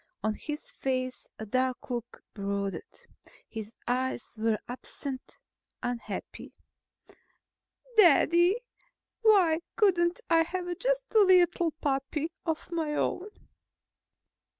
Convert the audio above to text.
On his face a dark look brooded. His eyes were absent, unhappy. "Daddy, why couldn't I have just a little puppy of my own?"